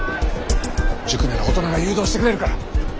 塾なら大人が誘導してくれるから。